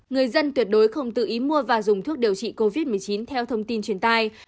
người dân tuyệt đối không tự ý mua và dùng thuốc điều trị covid một mươi chín theo thông tin truyền tai